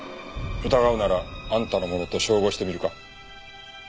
疑うならあんたのものと照合してみるか？